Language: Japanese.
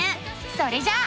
それじゃあ。